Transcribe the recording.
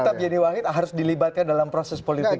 jadi tetap yeni wahid harus dilibatkan dalam proses politik